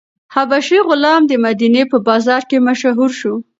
حبشي غلام د مدینې په بازار کې مشهور شو.